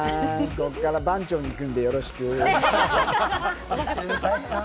ここから番町に行くんで、よろしく。